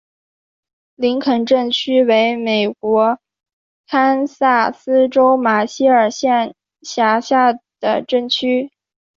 林肯镇区为美国堪萨斯州马歇尔县辖下的镇区。